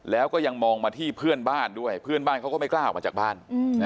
แล้วก็ยังมองมาที่เพื่อนบ้านด้วยเพื่อนบ้านเขาก็ไม่กล้าออกมาจากบ้าน